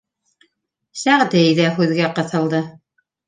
Сәғди ҙә һүҙгә ҡыҫылды: